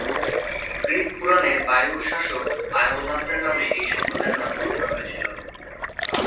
Greek পুরাণে বায়ুর শাসক আয়োলাসের নামে এই সম্প্রদায়ের নামকরণ করা হয়েছিল।